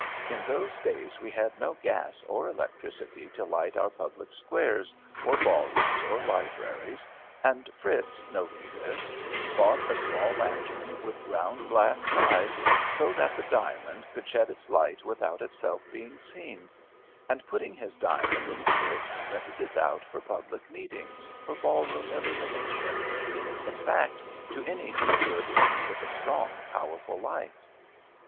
In those days we had no gas or electricity to light our public squares or ballrooms or libraries, and Fritz, noting this, bought a small lantern with ground glass sides, so that the diamond could shed its light without itself being seen, and, putting his diamond into it, rented it out for public meetings, for ballroom illumination in fact, to any who stood in need of a strong, powerful light.